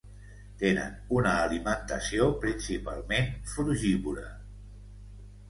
Tenen una alimentació principalment frugívora.